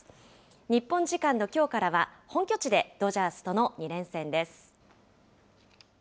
日本時間のきょうからは、本拠地でドジャースとの２連戦です。